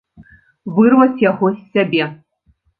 Вырваць яго з сябе.